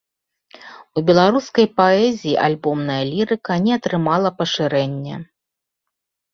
У беларускай паэзіі альбомная лірыка не атрымала пашырэння.